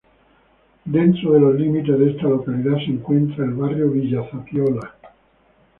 Dentro de los límites de esta localidad, se encuentra el "Barrio Villa Zapiola".